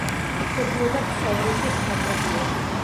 შედიოდა ქსოვრისის საკრებულოში.